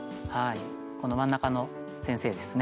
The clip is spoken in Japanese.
この真ん中の先生ですね。